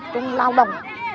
công lao động